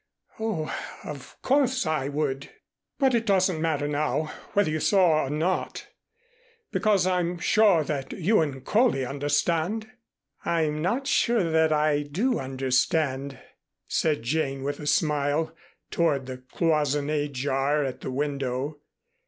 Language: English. "Oh of course, I would." "But it doesn't matter now whether you saw or not, because I'm sure that you and Coley understand." "I'm not sure that I do understand," said Jane with a smile toward the cloisonné jar at the window.